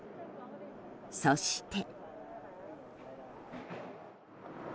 そして。